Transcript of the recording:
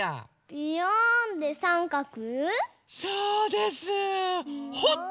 ビヨーンでさんかく。